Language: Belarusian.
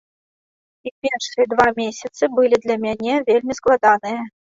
І першыя два месяцы былі для мяне вельмі складаныя.